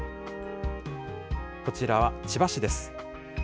こちらは千葉市です。